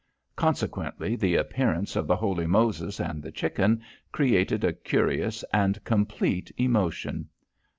Consequently, the appearance of the Holy Moses and the Chicken, created a curious and complete emotion.